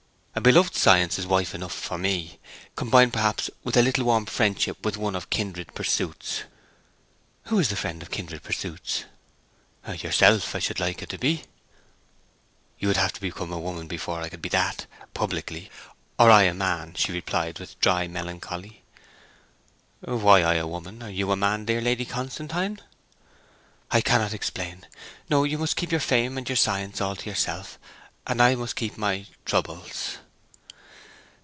'A beloved science is enough wife for me, combined, perhaps, with a little warm friendship with one of kindred pursuits.' 'Who is the friend of kindred pursuits?' 'Yourself I should like it to be.' 'You would have to become a woman before I could be that, publicly; or I a man,' she replied, with dry melancholy. 'Why I a woman, or you a man, dear Lady Constantine?' 'I cannot explain. No; you must keep your fame and your science all to yourself, and I must keep my troubles.'